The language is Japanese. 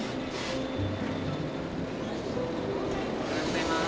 おはようございます。